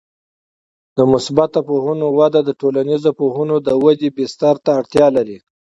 د مثبته پوهنو وده د ټولنیزو پوهنو د ودې بستر ته اړتیا لري.